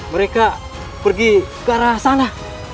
mereka pergi ke arah sana